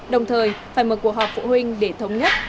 đồng thời phải mở cuộc họp phụ huynh để thống nhất